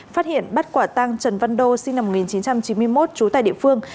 phát hiện bắt quả tăng trần văn đô sinh năm một nghìn chín trăm chín mươi một trú tại địa phương